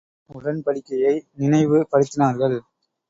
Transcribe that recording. உடன்படிக்கையை நினைவு படுத்தினார்கள்.